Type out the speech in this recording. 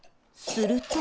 すると。